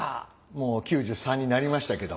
もう９３になりましたけども。